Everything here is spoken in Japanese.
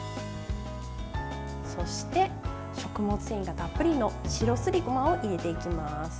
そして、食物繊維がたっぷりの白すりごまを入れていきます。